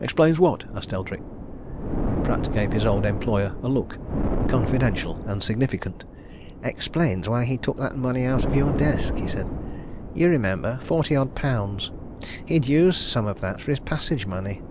"Explains what?" asked Eldrick. Pratt gave his old employer a look confidential and significant. "Explains why he took that money out of your desk," he said. "You remember forty odd pounds. He'd use some of that for his passage money.